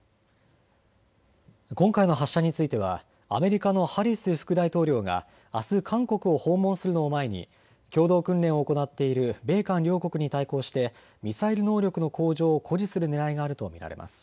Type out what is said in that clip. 今回の発射についてはアメリカのハリス副大統領があす韓国を訪問するのを前に共同訓練を行っている米韓両国に対抗してミサイル能力の向上を誇示するねらいがあると見られます。